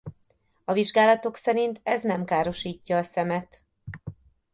A vizsgálatok szerint ez nem károsítja a szemet.